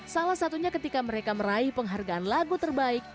salah satunya ketika mereka meraih penghargaan lagu terbaik